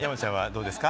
どうですか？